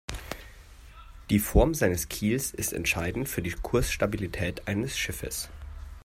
Die Form seines Kiels ist entscheidend für die Kursstabilität eines Schiffes.